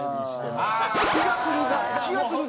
気がする？